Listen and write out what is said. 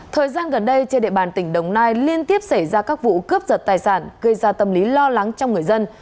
thời gian gần đây trên địa bàn tỉnh đồng nai liên tiếp xảy ra các vụ cướp giật tài sản gây ra tâm lý lo lắng trong người dân